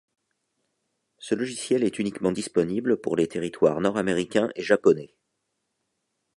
Ce logiciel est uniquement disponible pour les territoires nord américain et japonais.